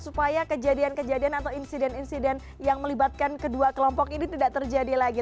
supaya kejadian kejadian atau insiden insiden yang melibatkan kedua kelompok ini tidak terjadi lagi